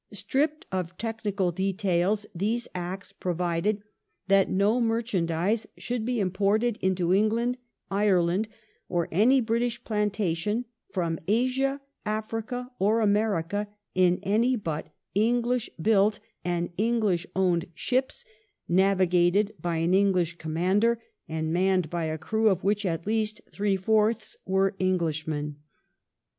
Stripped of technical details, these Acts pro j vided that no merchandise should be imported into England] Ireland, or any British plantation, from Asia, Africa, or America, ini any but English built and English owned ships, navigated by an English commander and manned by a crew of which at least three fourths were Englishmen.